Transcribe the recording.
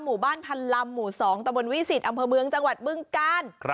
หมู่บ้านพันลำหมู่๒ตะบนวิสิตอำเภอเมืองจังหวัดบึงกาล